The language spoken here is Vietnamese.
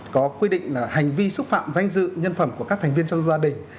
có quy định là hành vi xúc phạm danh dự nhân phẩm của các thành viên trong gia đình